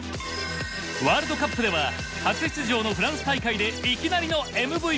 ワールドカップでは初出場のフランス大会でいきなりのＭＶＰ。